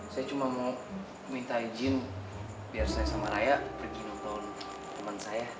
saya cuma mau minta izin biar saya sama raya pergi nonton teman saya